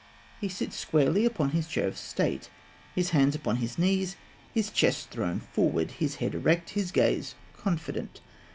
187). He sits squarely upon his chair of state, his hands upon his knees, his chest thrown forward, his head erect, his gaze confident.